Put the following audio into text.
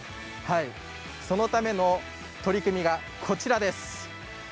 そのための取り組みがこちらです。